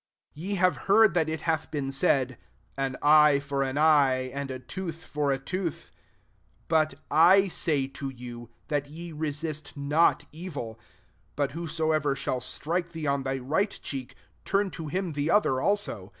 38 " Ye have heard that it hath been said, < An eye £or an eye, and a tooth for a tooth.' 39 But I say to you, that ye resist not evil: but whosoever shall strike thee on thy right cheek, turn to him the other also.